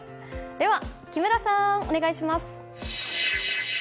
では木村さん、お願いします！